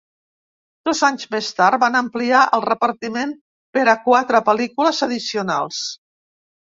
Dos anys més tard van ampliar el repartiment per a quatre pel·lícules addicionals.